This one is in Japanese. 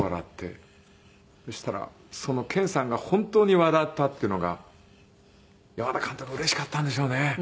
そしたらその健さんが本当に笑ったっていうのが山田監督うれしかったんでしょうね。